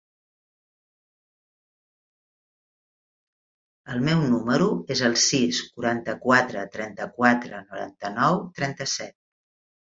El meu número es el sis, quaranta-quatre, trenta-quatre, noranta-nou, trenta-set.